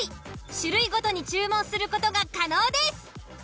種類ごとに注文する事が可能です。